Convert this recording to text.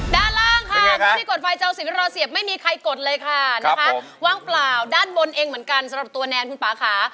ด้านล่างค่ะไม่มีกดไฟเจ้าสินรอเสียบไม่มีใครกดเลยค่ะนะคะว่างเปล่าด้านบนเองเหมือนกันสำหรับตัวแนนคุณป่าค่ะ